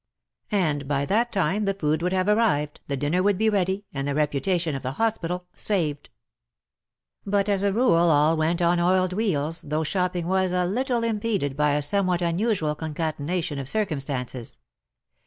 And by that time the food would have arrived, the dinner would be ready and the reputation of the hospital saved. But as a rule all went on oiled wheels, though shopping was a little impeded by a somewhat unusual concatenation of circum stances.